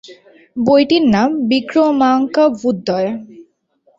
বইটির নাম "বিক্রমাঙ্কাভ্যুদয়"।